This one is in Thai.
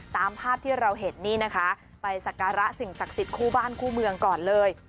ตามภาพที่เราเห็นนี่นะคะไปสักการะสิ่งศักดิ์สิทธิ์คู่บ้านคู่เมืองก่อนเลย